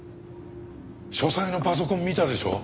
書斎のパソコン見たでしょう？